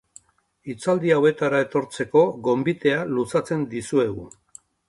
Hitzaldi hauetara etortzeko gonbitea luzatzen dizuegu.